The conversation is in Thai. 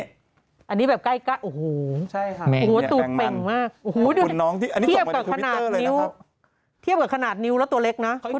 อันนี้แบบใกล้โอ้โห